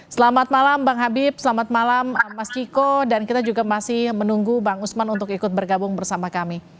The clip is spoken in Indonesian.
selamat malam bang habib selamat malam mas ciko dan kita juga masih menunggu bang usman untuk ikut bergabung bersama kami